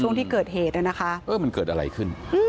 พนักงานในร้าน